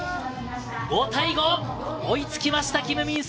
５対５、追いつきました。